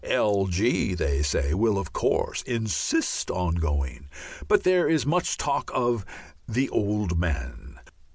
"L. G.," they say, will of course "insist on going," but there is much talk of the "Old Man."